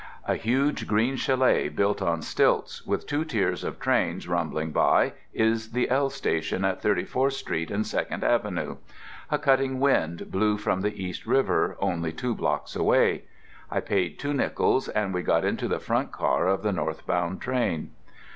A huge green chalet built on stilts, with two tiers of trains rumbling by, is the L station at 34th Street and Second Avenue. A cutting wind blew from the East River, only two blocks away. I paid two nickels and we got into the front car of the northbound train.